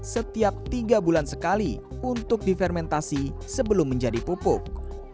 setiap tiga bulan sekali untuk difermentasi sebelum menjadi pupuk